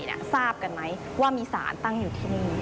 ทราบกันไหมว่ามีสารตั้งอยู่ที่นี่